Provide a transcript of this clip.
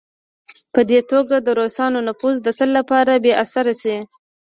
په دې توګه د روسانو نفوذ د تل لپاره بې اثره شي.